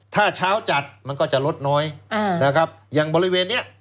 ถ้าเช้าจัดมันก็จะลดน้อยอ่านะครับอย่างบริเวณเนี้ย